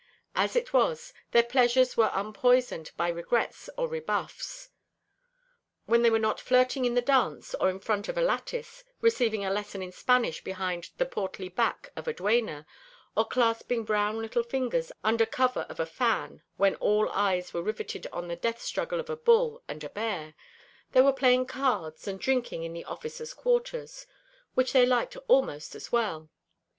As it was, their pleasures were unpoisoned by regrets or rebuffs. When they were not flirting in the dance or in front of a lattice, receiving a lesson in Spanish behind the portly back of a duena, or clasping brown little fingers under cover of a fan when all eyes were riveted on the death struggle of a bull and a bear, they were playing cards and drinking in the officers' quarters; which they liked almost as well.